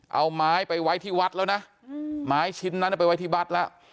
เอาไม้ไปไว้ที่วัดแล้วนะไม้ชิ้นนั้นไปไว้ที่วัดแล้ว